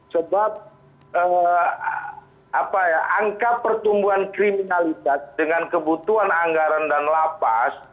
sebab angka pertumbuhan kriminalitas dengan kebutuhan anggaran dan lapas